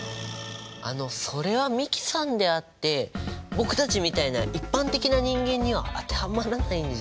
あのそれは美樹さんであって僕たちみたいな一般的な人間には当てはまらないんじゃ。